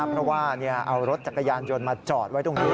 เพราะว่าเอารถจักรยานยนต์มาจอดไว้ตรงนี้